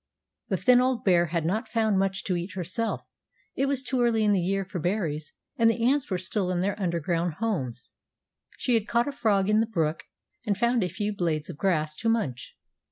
The thin old bear had not found much to eat herself. It was too early in the year for berries, and the ants were still in their underground homes. She had caught a frog in the brook, and found a few blades of grass to munch.